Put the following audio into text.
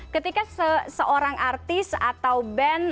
ketika seorang artis atau band